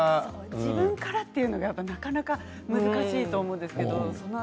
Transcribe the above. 自分からというのはなかなか難しいと思うんですが。